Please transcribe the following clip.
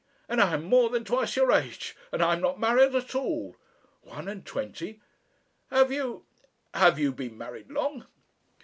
And I am more than twice your age, and I am not married at all. One and twenty! Have you have you been married long?"